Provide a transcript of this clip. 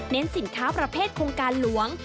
สินค้าประเภทโครงการหลวง